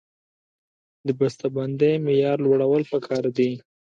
د بسته بندۍ معیار لوړول پکار دي